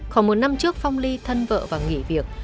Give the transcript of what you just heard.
khoảng một năm trước phong ly thân vợ và nghỉ việc